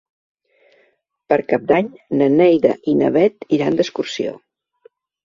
Per Cap d'Any na Neida i na Bet iran d'excursió.